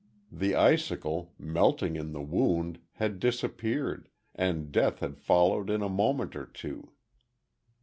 The icicle, melting in the wound, had disappeared, and death had followed in a moment or two.